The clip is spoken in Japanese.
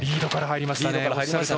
リードから入りました。